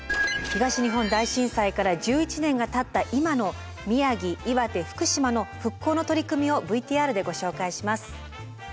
東日本大震災から１１年がたった今の宮城岩手福島の復興の取り組みをＶＴＲでご紹介します。